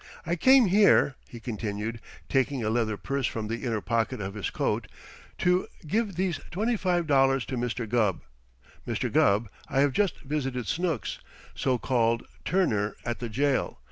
I came here," he continued, taking a leather purse from the inner pocket of his coat, "to give these twenty five dollars to Mr. Gubb. Mr. Gubb, I have just visited Snooks so called Turner at the jail.